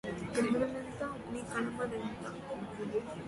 గహనమెంత అగ్ని కణమదెంత